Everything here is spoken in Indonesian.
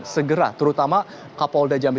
segera terutama kapolda jambi